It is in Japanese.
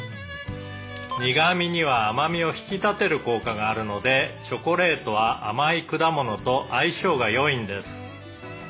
「苦味には甘味を引き立てる効果があるのでチョコレートは甘い果物と相性が良いんです」